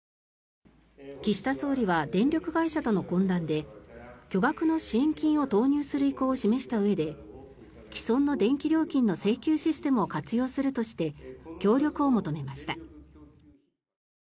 岸田総理は電力会社との懇談で巨額の支援金を投入する意向を示したうえで既存の電気料金の請求システムを活用するとして協力を求めました。